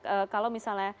oke itu dia